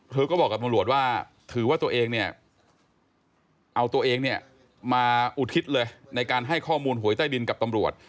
เธอก็บอกกับตำรวจว่าถือว่าตัวเองเนี่ยเอาตัวเองเนี่ยมาอุทิศเลยในการให้ข้อมูลหวยใต้ดินกับตำรวจ